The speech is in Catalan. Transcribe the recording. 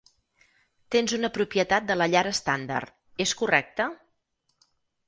Tens una propietat de la llar estàndard, és correcte?